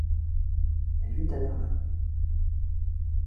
Elle vit à Berlin.